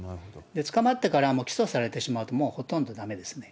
捕まってから起訴されてしまうと、もうほとんどだめですね。